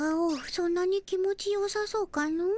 そんなに気持ちよさそうかの？